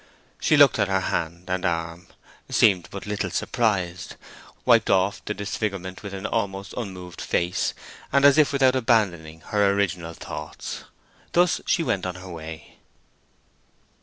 She looked at her hand and arm, seemed but little surprised, wiped off the disfigurement with an almost unmoved face, and as if without abandoning her original thoughts. Thus she went on her way.